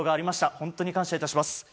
本当に感謝いたします。